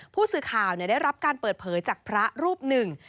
ผู้สื่อข่าวได้รับการเปิดเผยจากพระรูปหนึ่ง